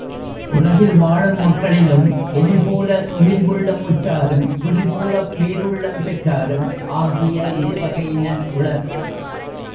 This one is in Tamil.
உலகில் வாழும் மக்களிலும் எலிபோல இழிவுள்ளம் உற்றாரும், புலிபோலப் பேருள்ளம் பெற்றாரும், ஆகிய இருவகையினர் உளர்.